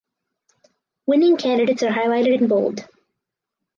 Winning candidates are highlighted in bold.